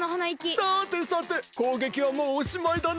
さてさてこうげきはもうおしまいだな？